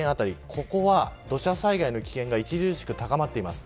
ここは土砂災害の危険が著しく高まっています。